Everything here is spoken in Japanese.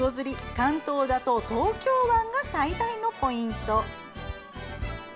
関東だと東京湾が最大のポイント。